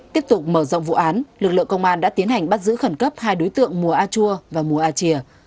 tiếp tục mở rộng vụ án lực lượng công an đã tiến hành bắt giữ khẩn cấp hai đối tượng mùa a chua và mùa a chìa